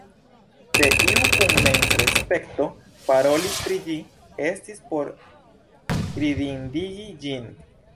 Se iu kun memrespekto parolis pri ĝi, estis por ridindigi ĝin.